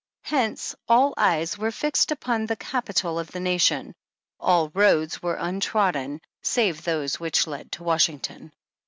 Hence all eyes were fixed upon the capital of the nation, all roads were untrodden, save those which led to Wash ington.